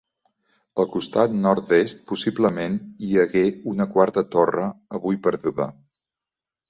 Al costat nord-est possiblement hi hagué una quarta torre, avui perduda.